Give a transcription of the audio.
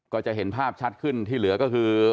ก็จะเห็นภาพชัดขึ้นที่เหลือก็คือ